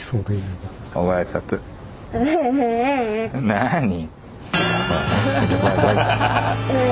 なに。